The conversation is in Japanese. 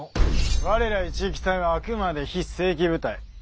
我ら一撃隊はあくまで非正規部隊。